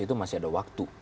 itu masih ada waktu